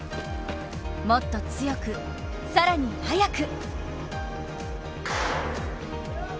もっと強く、更に速く！